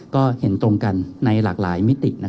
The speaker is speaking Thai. ก็เห็นตรงกันในหลากหลายมิติ